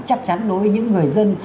chắc chắn đối với những người dân